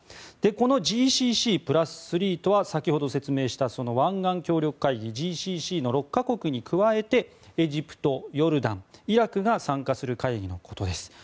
このＧＣＣ＋３とは先ほど説明した湾岸協力会議・ＧＣＣの６か国に加えてエジプト、ヨルダン、イラクが参加する会議のことです。